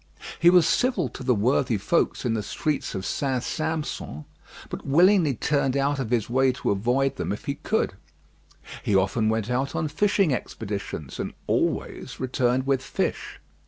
He was civil to the worthy folks in the streets of St. Sampson, but willingly turned out of his way to avoid them if he could. He often went out on fishing expeditions, and always returned with fish.